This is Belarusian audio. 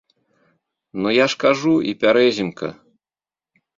Ну, я ж кажу, і пярэзімка.